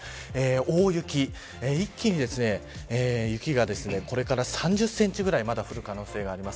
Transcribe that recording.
大雪、一気に雪がこれから３０センチぐらいまだ降る可能性があります。